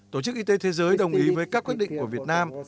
tổ chức y tế thế giới đồng ý với các quyết định của việt nam